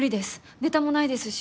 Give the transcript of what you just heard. ネタもないですし。